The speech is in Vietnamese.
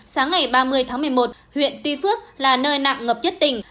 sáng ngày ba mươi tháng một mươi một huyện tuy phước là nơi nặng ngập nhất tỉnh